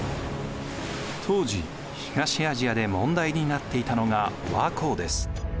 当時東アジアで問題になっていたのが倭寇です。